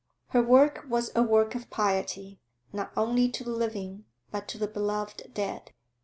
Her work was a work of piety, not only to the living, but to the beloved dead.